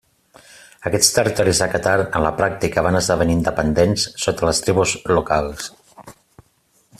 Aquests territoris de Qatar en la pràctica van esdevenir independents sota les tribus locals.